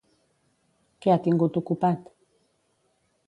Què ha tingut ocupat?